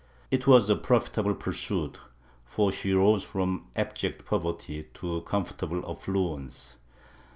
It was a profitable pur suit, for she rose from abject poverty to comfortable affluence.